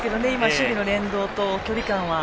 守備の連動と距離感は。